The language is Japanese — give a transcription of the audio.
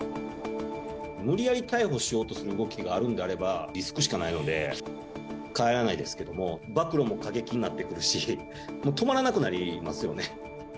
無理やり逮捕しようとする動きがあるのなら、リスクしかないので、帰らないですけども、暴露も過激になってくるし、もう止まらなくなりますよね。